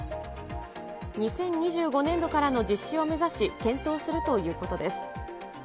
２０２５年度からの実施を目指し、検討するということです。